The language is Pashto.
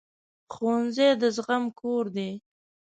ښوونځی د زغم کور دی